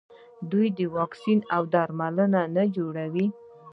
آیا دوی واکسین او درمل نه جوړوي؟